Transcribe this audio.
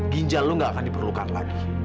ginjal lo gak akan diperlukan lagi